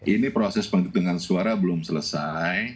ini proses pengetengan suara belum selesai